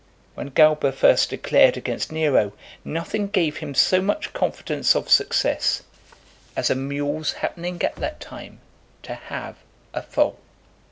When Galba first declared against Nero, nothing gave him so much confidence of success, as a mule's happening at that time to have a foal.